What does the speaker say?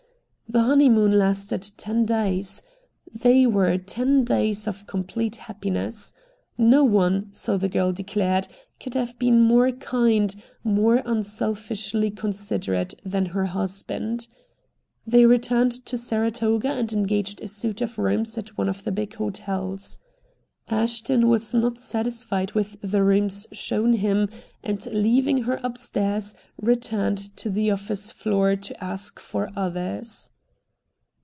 The honeymoon lasted ten days. They were ten days of complete happiness. No one, so the girl declared, could have been more kind, more unselfishly considerate than her husband. They returned to Saratoga and engaged a suite of rooms at one of the big hotels. Ashton was not satisfied with the rooms shown him, and leaving her upstairs returned to the office floor to ask for others.